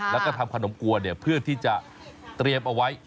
แล้วก็ทำขนมกลัวเพื่อที่จะเตรียมเอาไว้